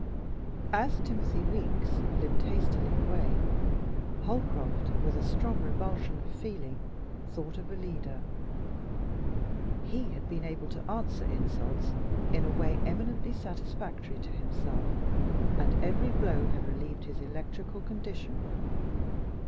As Timothy Weeks limped hastily away, Holcroft, with a strong revulsion of feeling, thought of Alida. HE had been able to answer insults in a way eminently satisfactory to himself, and every blow had relieved his electrical condition.